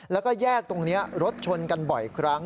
แล้วก็แยกตรงนี้รถชนกันบ่อยครั้ง